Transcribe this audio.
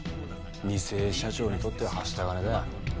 二世社長にとってははした金だ。